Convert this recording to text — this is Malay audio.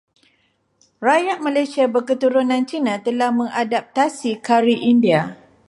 Rakyat Malaysia berketurunan Cina telah mengadaptasi Kari India.